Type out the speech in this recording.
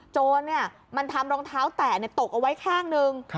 โจรมันทำรองเท้าแตะตกเอาไว้ข้างหนึ่ง